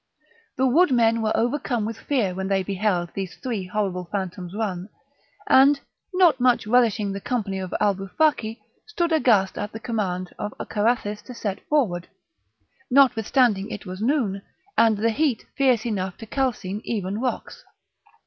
The wood men were overcome with fear when they beheld these three horrible phantoms run, and, not much relishing the company of Alboufaki, stood aghast at the command of Carathis to set forward, notwithstanding it was noon, and the heat fierce enough to calcine even rocks.